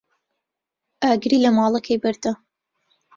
ئاگری لە ماڵەکەی بەردا.